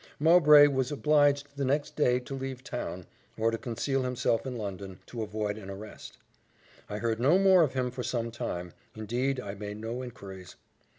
Mowbray was obliged the next day to leave town, or to conceal himself in London, to avoid an arrest. I heard no more of him for some time indeed I made no inquiries.